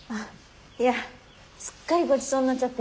いやすっかりごちそうになっちゃって。